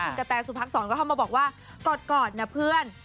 คุณกะแตสุพักษรก็เข้ามาบอกว่ากอดนะเพื่อน